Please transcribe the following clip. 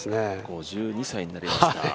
５２歳になりますが。